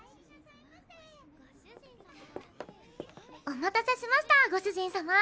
お待たせしましたご主人さま！